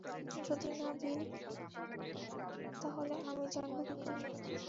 তোমরা যদি না বিল, তাহলে আমি জানব কী করে?